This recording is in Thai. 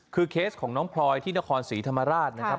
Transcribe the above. คือเคสของน้องพลอยที่นครศรีธรรมราชนะครับ